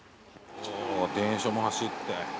電車も走って。